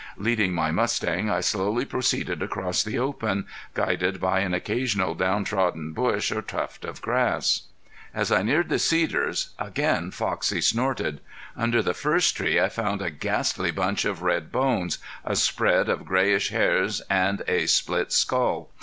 Leading my mustang I slowly proceeded across the open, guided by an occasional down trodden bush or tuft of grass. As I neared the cedars again Foxie snorted. Under the first tree I found a ghastly bunch of red bones, a spread of grayish hairs and a split skull.